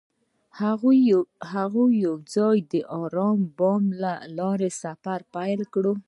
هغوی یوځای د آرام بام له لارې سفر پیل کړ.